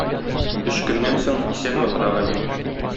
Өч көннән соң: "исәнме, кодагый!"